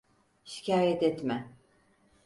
Şikayet etme.